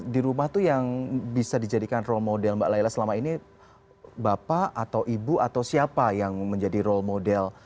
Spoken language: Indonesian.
di rumah tuh yang bisa dijadikan role model mbak layla selama ini bapak atau ibu atau siapa yang menjadi role model